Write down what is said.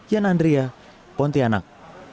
yan andria pontianak